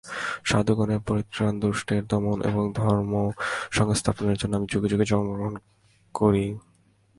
সাধুগণের পরিত্রাণ, দুষ্টের দমন ও ধর্মসংস্থাপনের জন্য আমি যুগে যুগে জন্মগ্রহণ করি।